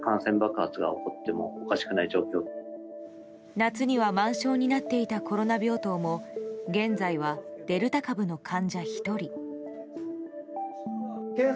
夏には満床になっていたコロナ病棟も現在はデルタ株の患者１人。